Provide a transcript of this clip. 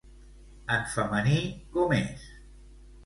En femení com és?